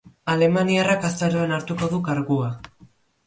Alemaniarrak azaroan hartuko du kargua.